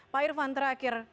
pak irfan terakhir